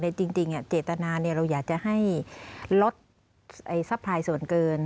จริงเจตนาเราอยากจะให้ลดทรัพพลายส่วนเกิน